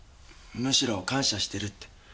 むしろ感謝してるって。